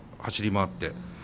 走り回って。